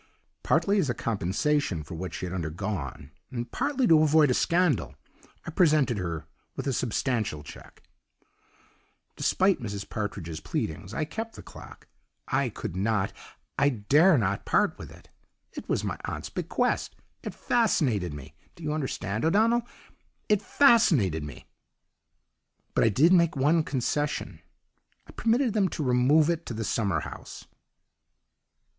"Partly as a compensation for what she had undergone and partly to avoid a scandal, I presented her with a substantial cheque. "Despite Mrs. Partridge's pleadings, I kept the clock. I could not I dare not part with it. It was my aunt's bequest it fascinated me! Do you understand, O'Donnell? it fascinated me. "But I did make one concession: I permitted them to remove it to the summer house.